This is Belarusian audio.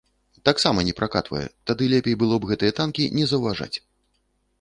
Таксама не пракатвае, тады лепей было б гэтыя танкі не заўважаць.